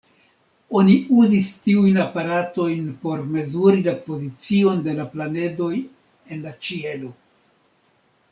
Oni uzis tiujn aparatojn por mezuri la pozicion de planedoj en la ĉielo.